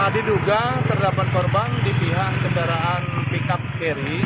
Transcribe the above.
di duga terdapat korban di pihak kendaraan pickup carry